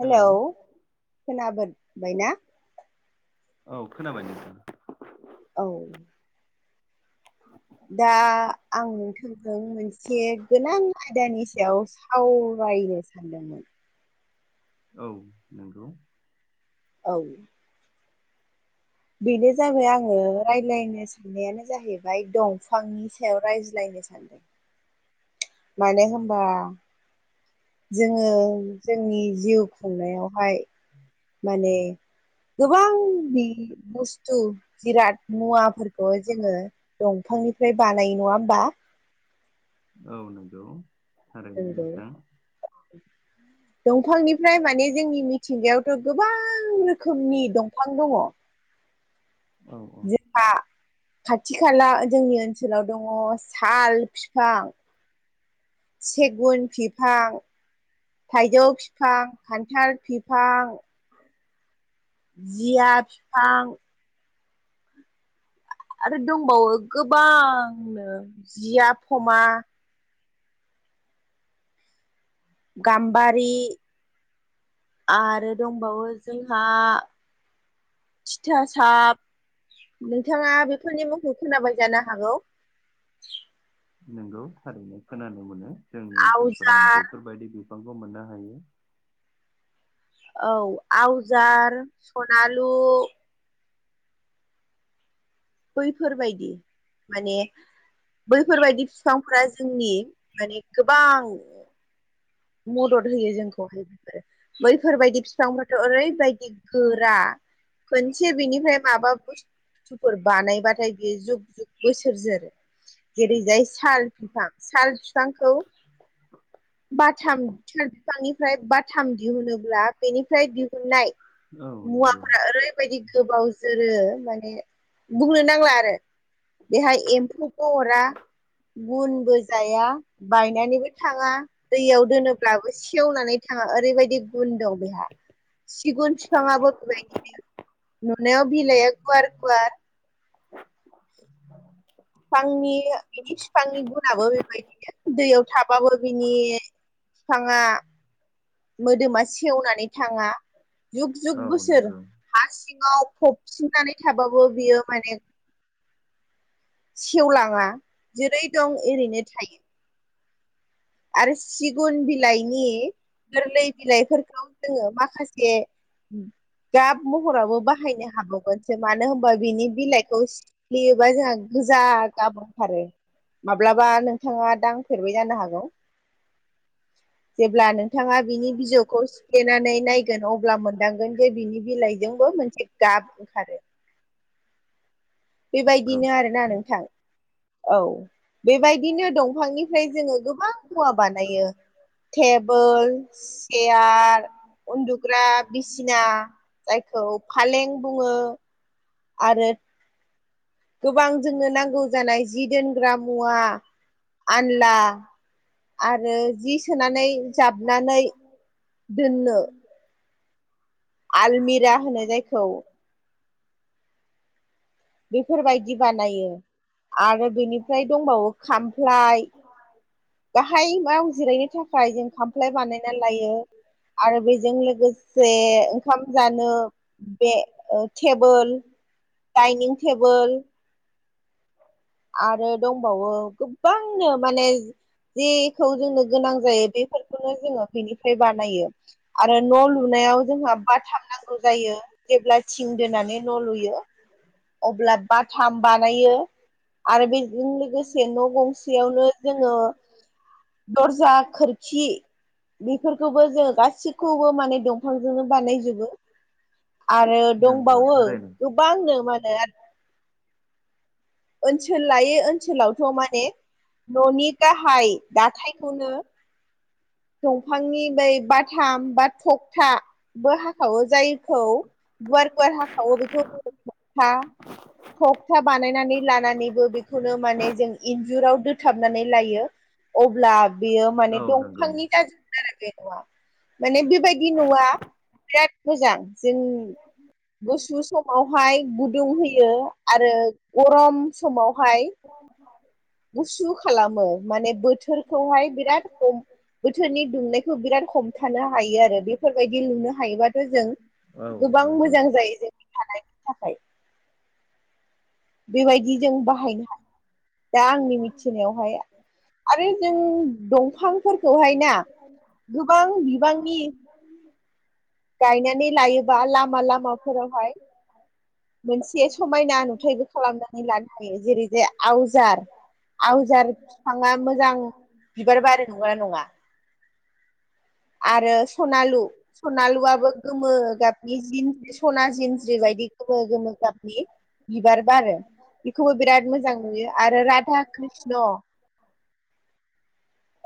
Hello खोनाबोनबायना [unintelligible] औ खोनाबाय नोंथां औ दा आं नोंथांजों मोनसे गोनां आयदानि सायाव सावरायनो सानदोंमोन औ नोंगौ औ बेनो जाबाय आं ओ रायज्लायनो साननायानो जाहैबाय दंफांनि सायाव रायज्लायनो सानदों माने होनबा जोङो जोंनि जिउ खुंनायावहाय मानि गोबां नि बुस्थु जिराद मुवाफोरखौ जोङो दंफांनिफ्राय बानायो नङा होमबा औ नोंगौ नोंगौ दंफांनिफ्राय माने जोंनि मिथिंगायावथ' गोबां रोखोमनि दंफां दङ औ औ जोंहा खाथि खाला जोंनि ओनसोलाव दङ साल फिफां सेगुन फिफां थाइजौ फिफां खान्थाल बिफां जिया फिफां आरो दंबावो गोबांनो जिया पमा गाम्बारि आरो दंबावो जोंहा थिथा साब नोंथांआ बिफोरनि मुं मुंखौ खोनाबाय जानो हागौ नोंगौ थारैनो खोनानो मोनो जोंनि ओनसोलफोराव आवजार बेफोरबायदि बिफांखौ मोननो हायो। औ आवजार सनालु बैफोरबायदि माने बैफोरबायदि बिफांफोरा जोंनि माने गोबां मदद होयो जोंखौहाय बेफोर बैफोरबायदि बिफांफोरा ओरैबायदि गोरा खोनसे बिनिफ्राय माबा बुस थुफोर बानायबाथाय बियो जुग जुग बोसोर जोरो। जेरैजाय साल फिफां साल फिफांखौ बाथाम साल बिफांनिफ्राय बाथाम दिहुनोब्ला बेनिफ्राय दिहुननाय औ नंगौ मुवाफोरा ओरैबायदि गोबाव जोरो माने बुंनो नांला आरो। बेहाय एम्फौबो अरा। गुनबो जाया बायनानैबो थाङा। दैयाव दोनोब्लाबो सेवनानै थाङा ओरैबायदि गुन दं बेहा। सिगुन बिफाङाबो बेबायदिनो नुनायाव बिलाइआ गुवार गुवार। फिफांनि बिनि फिफांनि गुनाबो बेबायदिनो दैयाव थाबाबो बिनि फिफाङा मोदोमा सेवनानै थाङा। जुग जुग औ बोसोर नंगौ हा सिङाव फबसिबनानै थाबाबो बियो माने सेवलाङा जेरै दं ओरैनो थायो। आरो सिगुन बिलाइनि गोरलै बिलाइफोरखौ जोङो माखासे गाब महरावबो बाहायनो हाबावगोनसो मानो होनबा बिनि बिलाइ खौ फिस्लियोबा जोंहा गोजा गाब ओंखारो माब्लाबा नोंथाङा दां फेरबाय जानो हागौ। जेब्ला नोंथाङा बिनि बिजौखौ सि फ्लेनानै नायगोन अब्ला मोनदांगोन जे बिनि बिलाइजोंबो मोनसे गाब ओंखारो। बेबायदिनो आरोना औ नोंथां औ। बेबायदिनो दंफांनिफ्राय जोङो गोबां मुवा बानायो टेबोलस सेयार उन्दुग्रा बिसिना जायखौ फालें बुङो। आरो गोबां जोंनो नांगौ जानाय जि दोनग्रा मुवा आनला। आरो जि सोनानै जाबनानै दोननो आलमिरा होनो जायखौ बेफोरबायदि बानायो आरो बेनिफ्राय दंबावो खामफ्लाय। गाहाय माव जिरायनो थाखाय जों खामफ्लाय बानायना लायो। आरो बेजों लोगोसे ओंखाम जानो बे ओ टेबोल डाइनिं टेबोल आरो दंबावो गोबांनो माने जेखौ जोंनो गोनां जायो बेफोरखौनो जोङो बेनिफ्राय बानायो। आरो न' लुनायाव जोंहा बाथाम नांगौ जायो। जेब्ला थिं दोनानै न' लुयो अब्ला बाथाम बानायो। आरो बेजों लोगोसे न' गंसेयावनो जोङो दरजा खोर खि बेफोरखौबो जोङो गासिखौबो माने दंफांजोंनो बानायजोबो। आरो नंगौ दंबावो थारैनो गोबांनो मा होनो आ ओनसोल लायै ओनसोलावथ' माने न'नि गाहाय दाथायखौनो दंफांनि बै बाथाम बा थखथा बो हाखाववो जायखौ गुवार गुवार हाखावो बेखौ बुङो थक था थकथा बानायना लानानैबो बेखौनो माने जों इन्जुराव दोथाबनानै लायो। अब्ला बेयो माने औ नंगौ दंफांनि द आरो बे न'आ माने बेबायदि न'आ बिराद मोजां जों गुसु समावहाय गुदुं होयो आरो गरम समावहाय अ गुसु खालामो माने बोथोरखौहाय बिराद हम बोथोरनि दुमनायखौ बिराद हमथानो हायो आरो बेफोरबायदि लुनो हायोबाथ' जों औ गोबां नंगौ मोजां जायो जोंनि थानायनि थाखाय बेबायदि जों बाहायनो दा आंनि मिथिनायावहाय आरो जों दंफांफोरखौहाय ना गोबां बिबांनि गायनानै लायोबा लामा लामाफोरावहाय मोनसे समायना नुथायबो खालामनानै लानो हायो जेरै जाय बे आवजार आवजार बिफाङा मोजां बिबार बारो नंगौ ना नङा आरो सनालु सनालुआबो गोमो गाब जिनज्रि सना जिनज्रि बायदि गोमो गोमो गाबनि बिबार बारो बेखौबो बिराद मोजां नुयो आरो राधा कृष्ण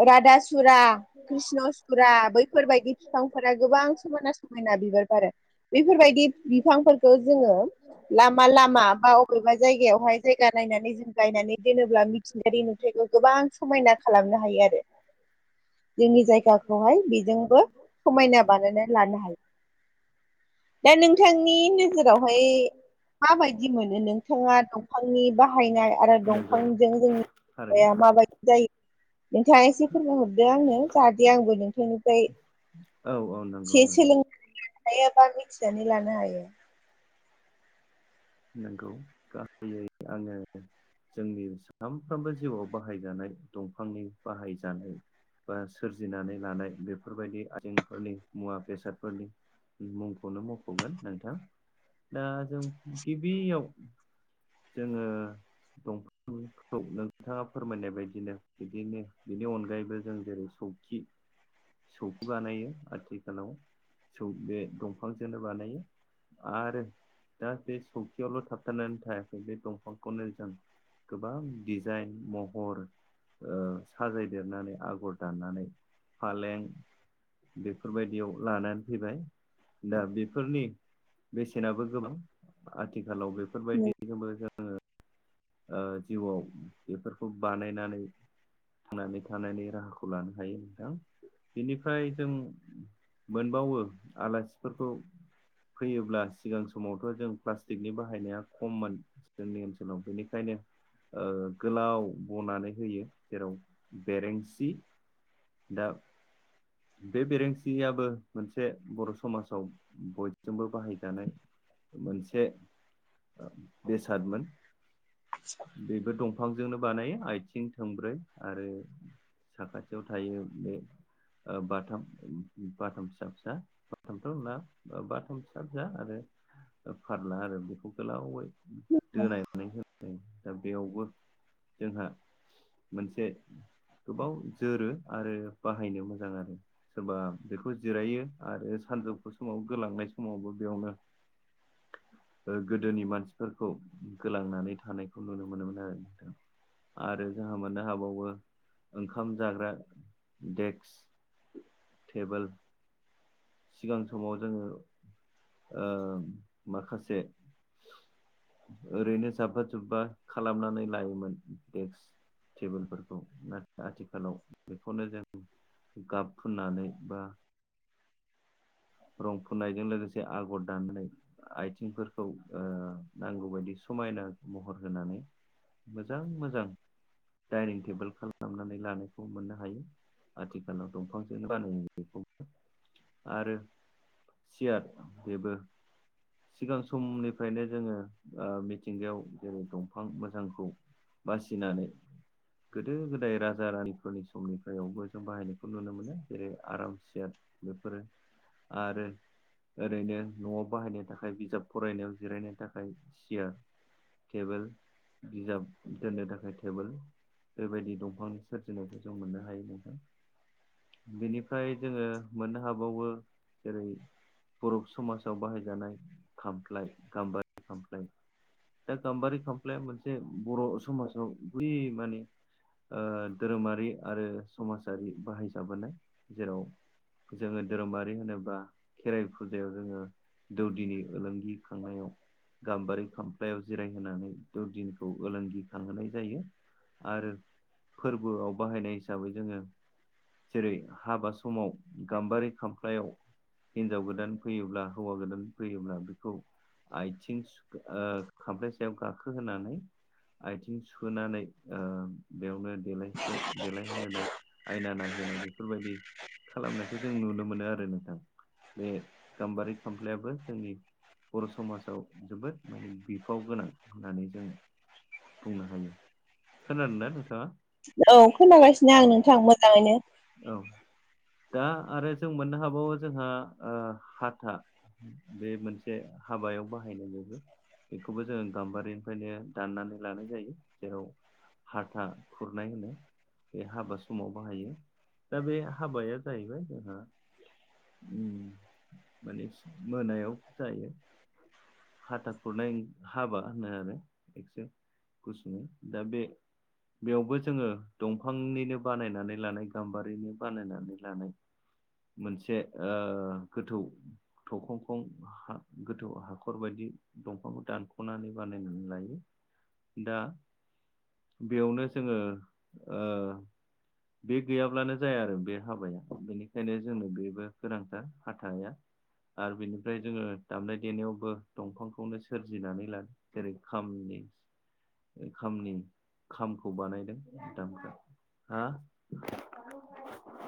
राधा सुरा कृष्ण सुरा बैफोरबायदि बिफांफोरा गोबां समायना समायना बिबार बारो बेफोरबायदि बिफांफोरखौ जोङो लामा लामा बा अबेबा जायगायावहाय जायगा नायनानै गायनानै दोनोब्ला मिथिंगायारि नुथायखौ गोबां समाव समायना खालामनो हायो हायो आरो जोंनि जायगाखौहाय बेजोंबो समायना बानायनानै लानो हायो दा नोंथांनि नोजोरावहाय माबायदि मोनो नोंथाङा दंफांनि बाहायनाय आरो नंगौ दंफांजों जोंनि फाया थारैनो माबायदि जायो नोंथाङा एसे फोरमायहरदो आंनो जाहाथे आंबो नोंथांनिफ्राय औ औ नंगौ एसे नंगौ सोलों हायो बा मिथिनानै लानो हायो नंगौ गाहायै आङो जोंनि सानफ्रोमबो जिउआव बाहायजानाय दंफांनि बाहायजानाय बा सोरजिनानै लानाय बेफोरबायदि आइजेंफोरनि मुवा बेसादफोरनि मुंखौनो मख'गोन नोंथां दा जों गिबियाव जोङो दंफां खौ नोंथाङा फोरमायनाय बायदिनो बिदिनो बिनि अनगायैबो जों जेरै सौखि सौखि बानायो आथिखालाव सौ बे दंफांजोंनो बानायो आरो दा बे सौरखियावल' थाबथानानै थायाखै बे दंफांखौनो जों गोबां दिडिजाइन महर ओ साजायदेरनानै आगर दाननानै फालें बेफोरबायदियाव लानानै फैबाय दा बेफोरनि बेसेनाबो गोबां आथिखालाव बेफोरबायदिजोंबो जोङो ओ जिउआव बेफोरखौ बानायनानै थांनानै थानायनि राहाखौ लानो हायो नोंथां बेनिफ्राय जों मोनबावो आलासिफोरखौ फैयोब्ला सिगां समावथ' जों प्लास्टिकनि बाहायनाया खममोन जोंनि ओनसोलाव बेनिखायनो ओ गोलाव बनानै होयो जेराव बेरेंसि दा बे बेरेंसियाबो मोनसे बर' समाजाव बयजोंबो बाहायजानाय मोनसे ओ बेसादमोन बेबो दंफां बिफांजोंनो बानायो आथिं थोंब्रै आरो साखाथियाव थायो बे बाथाम बाथाम फिसा फिसा बाथाम थ बाथाम फिसा फिसा आरो फारला आरो बेखौ गोलावै दोननानै होनाय दा बेयावबो जोंहा मोनसे गोबाव जोरो आरो बाहायनो मोजां आरो सोरबा बेखौ जिरायो आरो सानजौफु समाव गोलांनाय समावबो बेयावनो ओ गोदोनि मानसिफोरखौ गोलांनानै थानायखौ नुनो मोनोमोन आरो नोंथां आरो जोंहा मोननो हाबावो ओंखाम जाग्रा देक्स टेबुल सिगां समाव जोंङो ओ माखासे ओरैनो जाब्बा जुब्बा खालामनानै लायोमोन देक्स टेबोलफोरखौ नाथाय आथिखालाव बेखौनो जों गाब फुननानै बा रं फोननायजों लोगोसे आगर दानानै आथिंफोरखौ नांगौबायायदि समायना महर होनानै मोजां मोजां डाइनिं टेबोल खालामनानै लानायखौ मोननो हायो। आथिखालाव दंफांजोंनो बानायो बेखौबो आरो सियार बेबो सिगां समनिफ्रायनो जोंङो मिथिंगायाव जेरै दंफां मोजांखौ बासिनानै गोदो गोदाय राजा रानिफोरनि समनिफ्रायावबो जों बाहायनायखौ नुनो मोनो जेरै आराम सियार बेफोरो आरो ओरैनो न'आव बाहायनो थाखाय बिजाब फरायनायाव जिरायनो थाखाय सियार टेबोल बिजाब दोननो थाखाय टेबोल बेबायदि दंफांनि सोरजिनायखौ जों मोननो हायो नोंथां बेनिफ्राय जोंङो मोननो हाबावो जेरै बर' समाजाव बाहायजानाय खामफ्लाय गाम्बारि खामफ्लाय दा गाम्बारि खामफ्लाया मोनसे बर' समाजाव बै माने धोरोमारि आरो समाजारि बाहायजाबोनाय जेराव जोंङो धोरोमारि मानो होनोबा खेराइ फुजायाव जोंङो दौदिनि ओलोंगि खांनायाव गाम्बारि खामफ्लायाव जिरायहोनानै दुरदिनखौ लोंगिखांहोनाय जायो। आरो फोरबोआव बाहायनाय हिसाबै जोंङो जेरै हाबा समाव गाम्बारि खाम सिख्लायाव हिनजाव गोदान फैयोब्ला हौवा गोदान फैयोब्ला बेखौ आथिं खाम्लाय सायाव गाखो होनोनानै आथिं सुहोनानै बेयावनो देलायस्रो देलायहोनाय आयना नायहोनाय बेफोरबायदि खालामनायखौ जों नुनो मोनो आरो जायो नोंथां बे गाम्बारि खामफ्लायाबो जोंनि बर' समाजाव जोबोद माने बिफाव गोनां होननानै जों बुंनो हायो खोनादों ना नोंथांङा औ खोनागासिनो आं नोंथां मोजांङैनो औ दा आरो जों मोननो हाबाव बावयो जोंहा हाथा बे मोनसे हाबायाव बाहायनो जौबो बेखौबो जोंङो गाम्बारिनिफ्रायनो दाननानै लानाय जायो जेराव हाथा खुरनाय होनो बे हाबा समाव बाहायो दा बे हाबाया जाहैबाय जोंहा माने मोनायाव जायो। हाथा खुरनाय हाबा होनो आरो एखस गुसुनो दा बे बेयावबो जोङो दंफांनिनो बानायनानै लानाय गाम्बारिनो बानायनानै लानाय मोनसे ओ गोथौ थखं खं गोथौ हाखर बायदि दंफांखौ दानख'नानै बानायनानै लायो दा बेयावनो जोङो ओ बे गैयाब्लानो जाया आरो बे हाबाया बेनिखायनो जों जोंनो बेबो गोनांथार हाथानाया आरो बिनिफ्राय जोङो दामनाय देनायावबो दंफांखौनो सोरजिनानै लादों जेरै खामनि ओ खामनि खामखौ बानायदों बिथांमोनहा हा